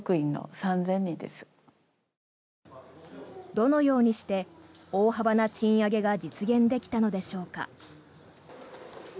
どのようにして大幅な賃上げが実現できたのでしょうか。